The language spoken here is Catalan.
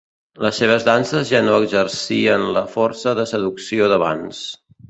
Les seves danses ja no exercien la força de seducció d'abans.